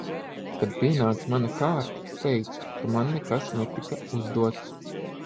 Kad pienāca mana kārta, teicu, ka man nekas netika uzdots.